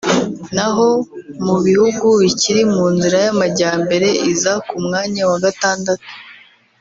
na ho mu bihugu bikiri mu nzira y’amajyambere iza ku mwanya wa gatandatu